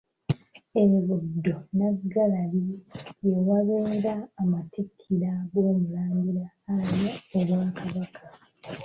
E Buddo Nnaggalabi ye wabeera amatikkira g'Omulangira alya obwa Kabaka.